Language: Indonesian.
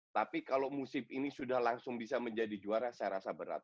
tapi kalau musim ini sudah langsung bisa menjadi juara saya rasa berat